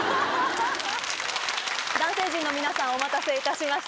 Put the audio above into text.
男性陣の皆さんお待たせいたしました。